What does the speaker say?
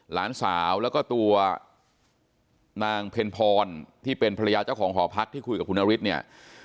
หลานสาวแล้วก็ตัวนางเพ็ญพรที่เป็นภรรยาเจ้าของหอพักที่คุยกับคุณนฤทธิ์เนี่ย